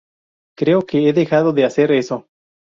Creo que he dejado de hacer eso.